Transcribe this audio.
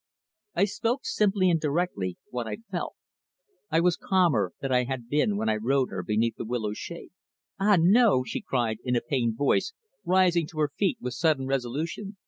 I spoke simply and directly what I felt; I was calmer than I had been when I rowed her beneath the willows' shade. "Ah, no!" she cried in a pained voice, rising to her feet with sudden resolution.